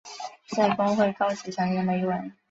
在公会高级成员雷文。